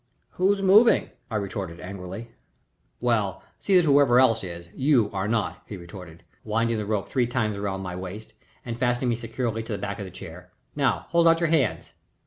"Who's moving?" I retorted, angrily. "Well, see that whoever else is you are not," he retorted, winding the rope three times around my waist and fastening me securely to the back of the chair. "Now hold out your hands."